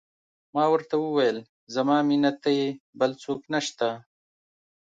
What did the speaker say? ما ورته وویل: زما مینه ته یې، بل څوک نه شته.